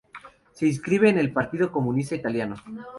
Se inscribe en el Partido Comunista Italiano.